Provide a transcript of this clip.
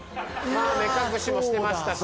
目隠しもしてましたし。